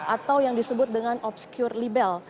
atau yang disebut dengan obscure libel